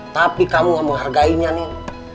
tapi kamu nggak mau hargainya nin